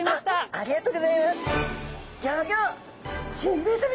あっありがとうギョざいます。